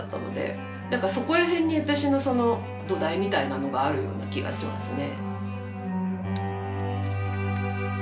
だからそこら辺に私のその土台みたいなのがあるような気がしますね。